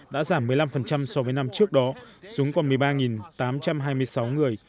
đã giảm một mươi năm so với năm trước đó xuống còn một mươi ba tám trăm hai mươi sáu người